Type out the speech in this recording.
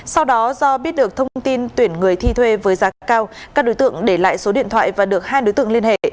sau đó do biết được thông tin tuyển người thi thuê với giá cao các đối tượng để lại số điện thoại và được hai đối tượng liên hệ